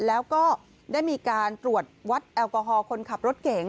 แล้วก็ได้มีการตรวจวัดแอลกอฮอล์คนขับรถเก๋ง